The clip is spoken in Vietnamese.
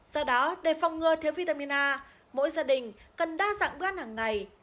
do đó để phòng ngừa thiếu vitamin a mỗi gia đình cần đa dạng bữa ăn hàng ngày